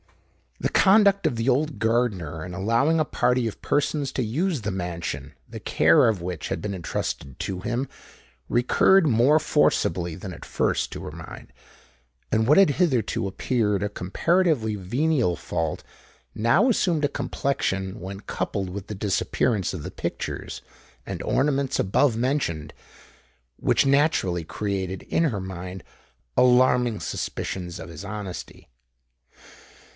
The conduct of the old gardener in allowing a party of persons to use the mansion, the care of which had been entrusted to him, recurred more forcibly than at first to her mind: and what had hitherto appeared a comparatively venial fault, now assumed a complexion, when coupled with the disappearance of the pictures and ornaments above mentioned, which naturally created in her mind alarming suspicions of his honesty.